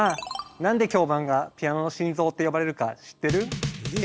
何で響板がピアノの心臓って呼ばれるか知ってる？え？